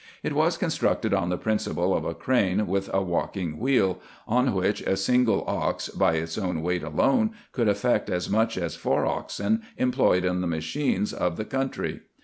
It was constructed on the principle of a crane with a walking wheel, in which a single ox, by its own weight alone, could effect as much as four oxen employed in the machines of the country.